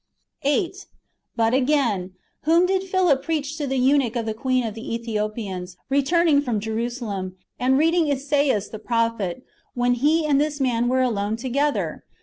8. But again : Whom did Philip preach to the eunuch of the queen of the Ethiopians, returning from Jerusalem, and reading Esaias the prophet, when he and this man were alone together